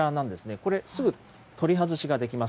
これ、すぐ取り外しができます。